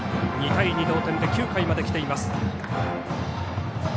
２対２の同点で９回まで来ています。